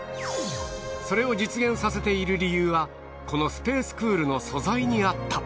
それを実現させている理由はこの ＳＰＡＣＥＣＯＯＬ の素材にあった